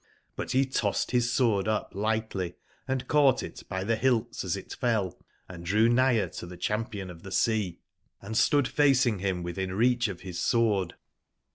But he tossed bis sword up lightly and caught it by tbe hilts as it fell, and drew nigber to the champion of tbe sea and stood 154 facing him within reach of his sword j!?